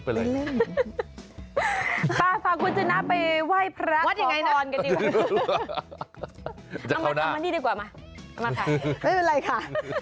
ป่าคุณจะน่าไปไหว้พระของพรกันดีกว่าเอามานี่ดีกว่ามาไม่เป็นไรค่ะ